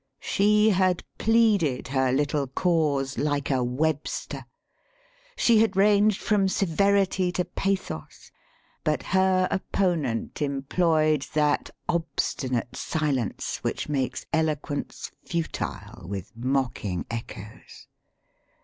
She had pleaded her little cause like a Webster; she had ranged from severity to pathos; but her opponent employed that ob stinate silence which makes eloquence futile with mocking echoes.